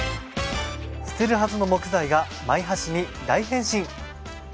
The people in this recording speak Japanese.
捨てるはずの木材がマイ箸に大変身！